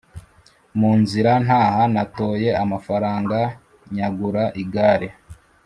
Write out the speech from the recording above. Munzira ntaha natoye amafaranga nyagura igare